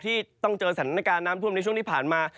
ที่ต้องเจอสถานการณ์น้ำท่วมในช่วงที่ผ่านมา